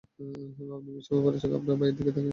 আপনি বিস্ময়ভরা চোখে আপনার ভাইয়ের দিকে তাকিয়ে আছেন।